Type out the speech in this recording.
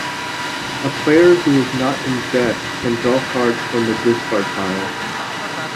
A player who is not In Debt can draw cards from the discard pile.